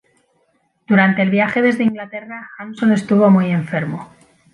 Durante el viaje desde Inglaterra Hanson estuvo muy enfermo.